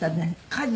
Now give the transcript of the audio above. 家事。